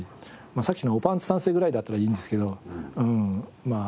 まあさっきのおぱんつ三世ぐらいだったらいいんですけどまあ